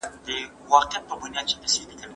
هره پرېکړه چې عادلانه وي، مخالفت نه شدیدېږي.